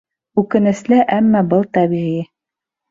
Үкенесле, әммә был тәбиғи.